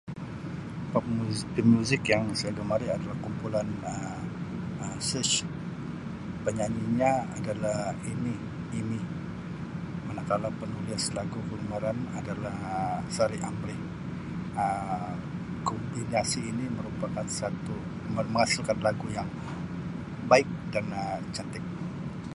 Pemuzik-pemuzik yang saya gemari adalah kumpulan Um Search, penyanyinya adalah Amy-Amy. Manakala penulis lagu kegemaran adalah Um Saari Amri Um kompilasi ini merupakan-menghasilkan lagu yang baik dan Um cantik